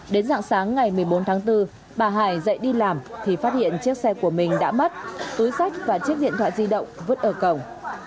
đến dạng sáng ngày một mươi bốn tháng bốn bà hải dậy đi làm thì phát hiện chiếc xe của mình đã mất túi sách và chiếc điện thoại di động vứt ở cổng